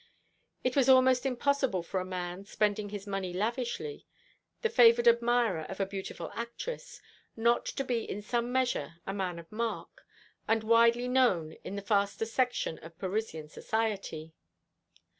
It was almost impossible for a man, spending his money lavishly, the favoured admirer of a beautiful actress, not to be in some measure a man of mark, and widely known in the faster section of Parisian society.